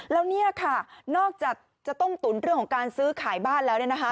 แล้วนี่ค่ะนอกจากจะต้มตุ๋นเรื่องของการซื้อขายบ้านแล้ว